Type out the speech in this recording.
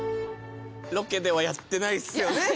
ロケではやってないっすよね？